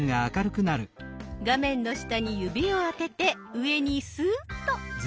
画面の下に指をあてて上にスーッと。